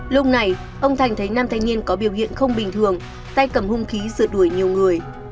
lúc này ông thành thấy nam thanh niên có biểu hiện không bình thường tay cầm hung khí sửa đuổi nhiều người